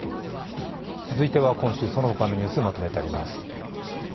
続いては今週その他のニュースまとめてあります。